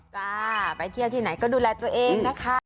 จ้าไปเที่ยวที่ไหนก็ดูแลตัวเองนะคะ